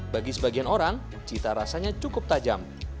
bagi sebagian orang cita rasanya cukup tajam